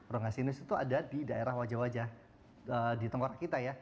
rongasinus itu ada di daerah wajah wajah di tenggara kita ya